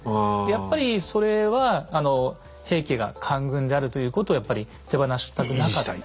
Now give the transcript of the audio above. やっぱりそれは平家が官軍であるということをやっぱり手放したくなかった。